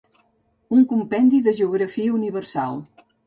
Un compendi de geografia universal.